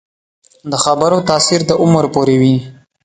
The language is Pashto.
د خبرو تاثیر د عمر پورې وي